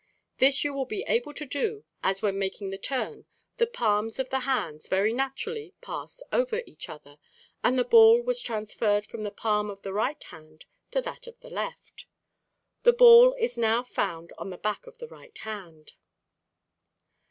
This you will be able to do, as when making the turn the palms of the hands very naturally passed over each other, and the ball was transferred from the palm of the right hand to that of the left. The ball is now found on the back of the right hand.